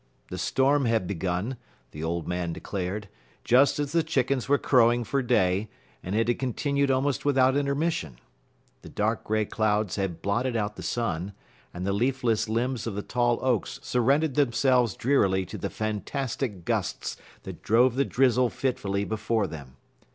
The storm had begun, the old man declared, just as the chickens were crowing for day, and it had continued almost without intermission. The dark gray clouds had blotted out the sun, and the leafless limbs of the tall oaks surrendered themselves drearily to the fantastic gusts that drove the drizzle fitfully before them.